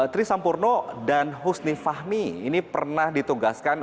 trisampurno dan husni fahmi ini pernah ditugaskan